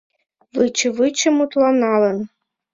Выче-выче мутланалын